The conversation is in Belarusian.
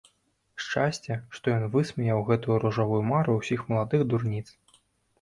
Шчасце, што ён высмеяў гэтую ружовую мару ўсіх маладых дурніц.